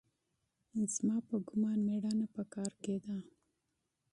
زما په ګومان مېړانه په کار کښې ده.